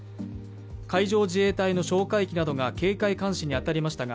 海上自衛隊の哨戒機などが警戒監視に当たりましたが、